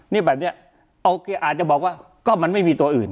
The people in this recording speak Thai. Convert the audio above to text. นี่แบบนี้โอเคอาจจะบอกว่าก็มันไม่มีตัวอื่น